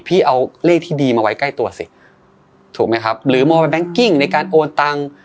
พี่เอาเลขที่ดีมาไว้ใกล้ตัวสิถูกไหมครับหรือมองเป็นแก๊งกิ้งในการโอนตังค์